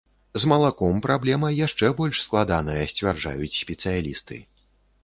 З малаком праблема яшчэ больш складаная, сцвярджаюць спецыялісты.